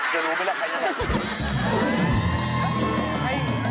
เดี๋ยวรู้ไหมว่าใครแน่